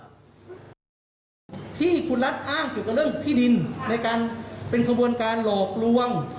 ที่คุณรัฐอ้างเกี่ยวกับเรื่องที่ดินในการเป็นขบวนการหลอกลวง